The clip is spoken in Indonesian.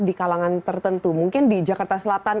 di kalangan tertentu mungkin di jakarta selatan